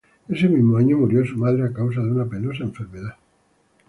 Ese mismo año murió su madre a causa de una penosa enfermedad.